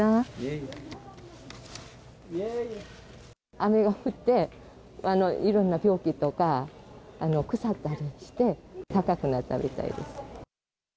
雨が降って、いろんな病気とか、腐ったりして、高くなったみたいです。